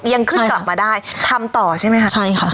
ยังขึ้นกลับมาได้ทำต่อใช่ไหมคะใช่ค่ะ